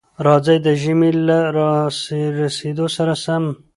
راځئ، د ژمي له را رسېدو سره سم،